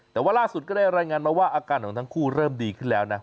แต่ว่าล่าสุดก็ได้รายงานมาว่าอาการของทั้งคู่เริ่มดีขึ้นแล้วนะ